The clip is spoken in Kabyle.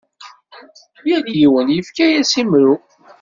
Yal yiwen yefka-as imru.